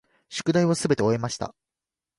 宿題をすべて終えました。